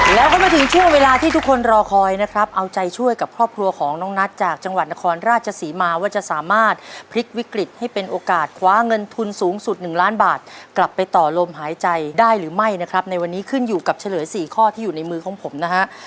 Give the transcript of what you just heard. แล้วก็มาถึงช่วงเวลาที่ทุกคนรอคอยนะครับเอาใจช่วยกับครอบครัวของน้องนัทจากจังหวัดนครราชศรีมาว่าจะสามารถพลิกวิกฤตให้เป็นโอกาสคว้าเงินทุนสูงสุด๑ล้านบาทกลับไปต่อลมหายใจได้หรือไม่นะครับในวันนี้ขึ้นอยู่กับเฉลย๔ข้อที่อยู่ในมือของผมนะฮะ